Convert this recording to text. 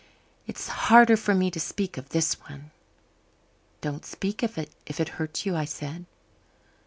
It's harder for me to speak of this one." "Don't speak of it if it hurts you," I said.